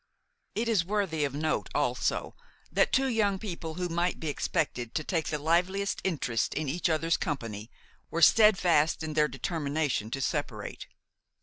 It is worthy of note also that two young people who might be expected to take the liveliest interest in each other's company were steadfast in their determination to separate.